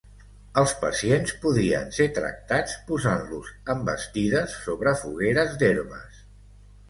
Els pacients podien ser tractats posant-los en bastides sobre fogueres d'herbes.